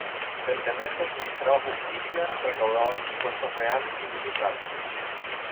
El tenente administraba justicia, recaudaba los impuestos reales y militares.